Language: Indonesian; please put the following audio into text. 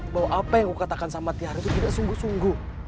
bahwa apa yang aku katakan sama tiara itu tidak sungguh sungguh